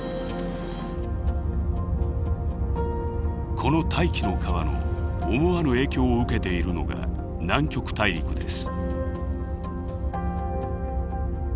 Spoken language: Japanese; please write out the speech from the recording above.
この「大気の川」の思わぬ影響を受けているのが南極大陸です。